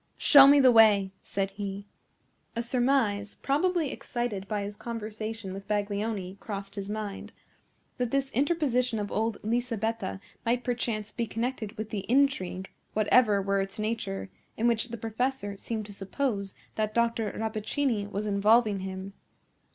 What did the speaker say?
"Show me the way," said he. A surmise, probably excited by his conversation with Baglioni, crossed his mind, that this interposition of old Lisabetta might perchance be connected with the intrigue, whatever were its nature, in which the professor seemed to suppose that Dr. Rappaccini was involving him.